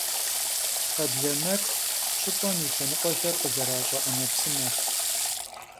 Kheblemer — ş'ıp'em yi lhenıkhuexer khızeraş'e 'emepsımeş.